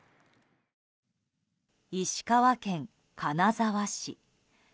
石川県金沢市。